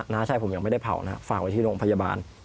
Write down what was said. น้าชายผมยังไม่ได้เผานะฝากไว้ที่โรงพยาบาล